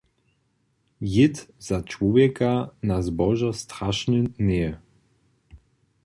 Jěd za čłowjeka na zbožo strašny njeje.